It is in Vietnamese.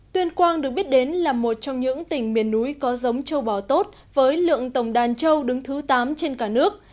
tuyên quang được biết đến là một trong những tỉnh miền núi có giống châu bò tốt với lượng tổng đàn châu đứng thứ tám trên cả nước